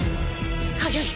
速い！